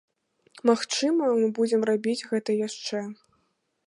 Магчыма, мы будзем рабіць гэта яшчэ.